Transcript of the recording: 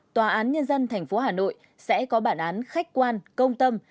tòa án nhân dân thành phố hà nội sẽ có bản án khách quan công tâm